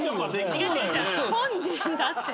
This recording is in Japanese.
本人だって。